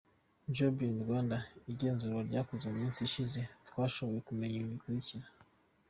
Job in Rwanda : Ku igenzurwa ryakozwe mu minsi ishize, twashoboye kumenya ibi bikurikira :.